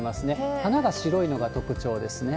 花が白いのが特徴ですね。